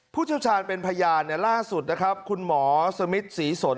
ผู้เชี่ยวชาญเป็นพยานล่าสุดคุณหมอสมิทธิ์ศรีสน